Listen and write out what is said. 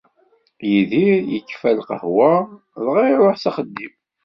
Yidir ikfa lqahwa-s dɣa iruh s axeddim.